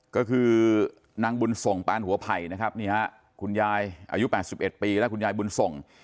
ก็คือนางบุญส่งปานหัวไผ่นะครับนี่ฮะคุณยายอายุ๘๑ปีแล้วคุณยายบุญส่ง